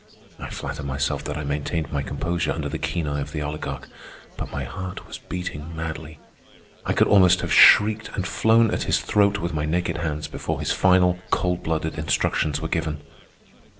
I flatter myself that I maintained my composure under the keen eye of the oligarch, but my heart was beating madly. I could almost have shrieked and flown at his throat with my naked hands before his final, cold blooded instructions were given.